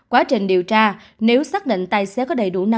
quá trình điều tra nếu xác định tài xế có đầy đủ năng